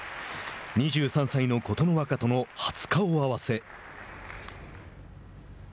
２３歳の琴ノ若との初顔合わせ。